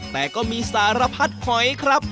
แต่ก็มีสารพัดหอยครับ